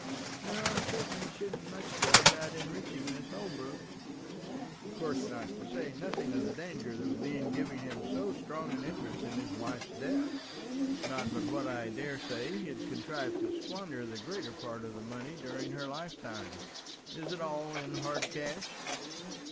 "No; I certainly shouldn't much care about enriching this Holbrook." "Of course not; to say nothing of the danger there would be in giving him so strong an interest in his wife's death. Not but what I daresay he'll contrive to squander the greater part of the money during her lifetime. Is it all in hard cash?"